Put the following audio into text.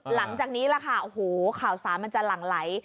หลังจากนี้ล่ะค่ะโอ้โหข่าวสารมันจะหลั่งไหล